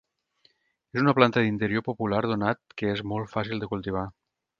És una planta d'interior popular donat que és molt fàcil de cultivar.